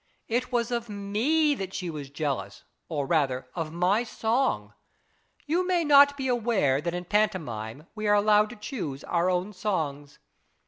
It was of rne that she was jealous, or rather of my song. You may not be aware that in pantomime we are allowed to choose our own songs.